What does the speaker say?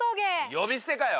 呼び捨てかよ！